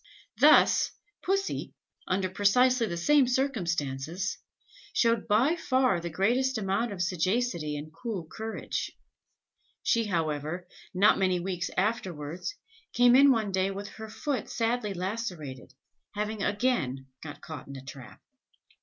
Thus, Pussy, under precisely the same circumstances, showed by far the greatest amount of sagacity and cool courage. She, however, not many weeks afterwards, came in one day with her foot sadly lacerated, having again got caught in a trap.